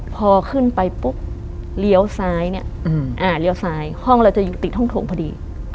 พอขึ้นไปปุ๊บเลี้ยวซ้ายเนี่ยเลี้ยวซ้ายห้องเราจะอยู่ติดห้องโถงพอดี